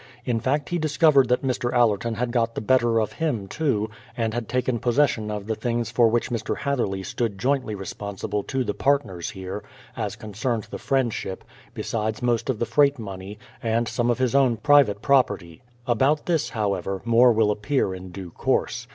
In fact he discov ered that Mr. Allerton had got the better of him, too, and had taken possession of the things for which Mr. Hatherley stood jointly responsible to the partners here, as concerned the Friendship, besides most of the freight money, and some of his own private property. About this, however, more will appear in due course.